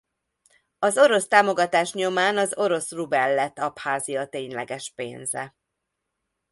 Az orosz támogatás nyomán az orosz rubel lett Abházia tényleges pénze.